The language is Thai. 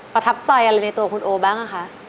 ประทับใจอะไรในตัวคุณโอบ้างคะ